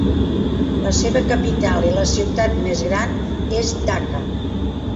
La seva capital i la ciutat més gran és Dhaka.